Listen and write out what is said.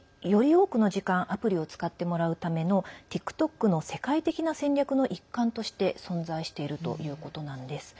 多くの時間アプリを使ってもらうためのＴｉｋＴｏｋの世界的な戦略の一環として存在しているということなんです。